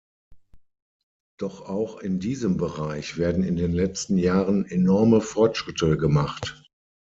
Doch auch in diesem Bereich werden in den letzten Jahren enorme Fortschritte gemacht.